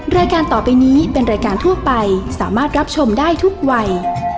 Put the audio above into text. รายการต่อไปนี้เป็นรายการทั่วไปสามารถรับชมได้ทุกวัย